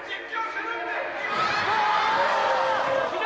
うわ！